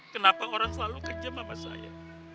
kenapa orang selalu kejem sama saya